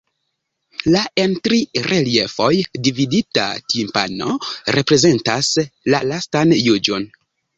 La en tri reliefoj dividita timpano reprezentas la Lastan juĝon.